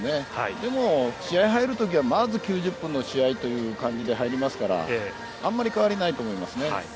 でも試合入るときはまず９０分の試合という感じで入りますからあまり変わりないと思います。